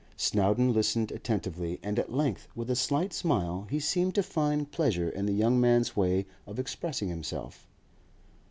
Snowdon listened attentively, and at length, with a slight smile; he seemed to find pleasure in the young man's way of expressing himself.